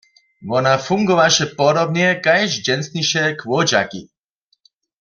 Wona fungowaše podobnje kaž dźensniše chłódźaki.